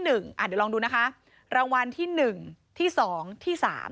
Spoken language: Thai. เดี๋ยวลองดูนะคะรางวัลที่๑ที่๒ที่๓